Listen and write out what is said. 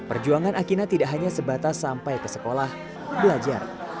perjuangan akina tidak hanya sebatas sampai ke sekolah belajar